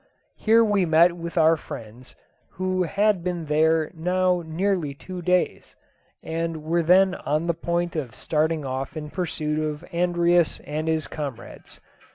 Here we met with our friends, who had been there now nearly two days, and were then on the point of starting off in pursuit of Andreas and his comrades.